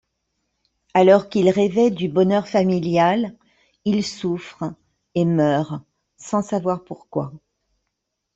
Alors qu'ils rêvaient du bonheur familial, ils souffrent et meurent sans savoir pourquoi.